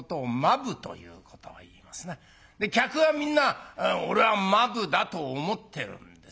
客はみんな「俺は間夫だ」と思ってるんです。